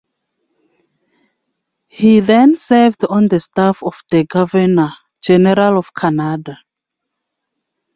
He then served on the staff of the Governor-General of Canada.